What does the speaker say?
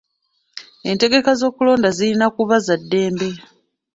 Entegeka z'okulonda zirina kuba za ddembe.